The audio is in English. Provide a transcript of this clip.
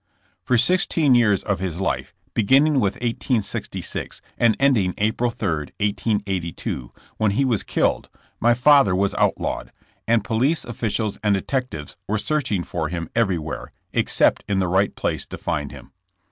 OR sixteen years of his life, beginning witli r 1 1866 and ending April 3, 1882, when he was Wyjtl killed, my father was outlawed, and police officials and detectives were searching for him every where, except in the right place to find him.